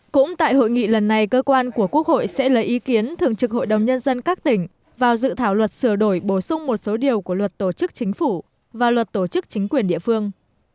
cũng tại hội nghị lần này cơ quan của quốc hội sẽ lấy ý kiến thường trực hội đồng nhân dân các tỉnh vào dự thảo luật sửa đổi bổ sung một số điều của luật tổ chức chính phủ và luật tổ chức chính quyền địa phương